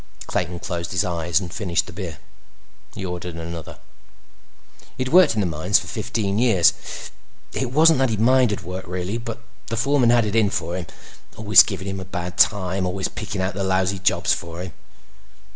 Clayton closed his eyes and finished the beer. He ordered another. He'd worked in the mines for fifteen years. It wasn't that he minded work really, but the foreman had it in for him. Always giving him a bad time; always picking out the lousy jobs for him.